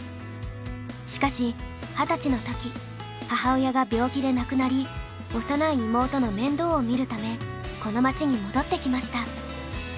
しかし二十歳の時母親が病気で亡くなり幼い妹の面倒を見るためこの町に戻ってきました。